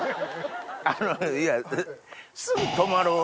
あのいや。